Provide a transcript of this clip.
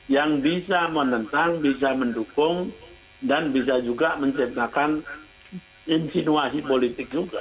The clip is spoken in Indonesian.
yang bisa menentang bisa mendukung dan bisa juga menciptakan insinuasi politik juga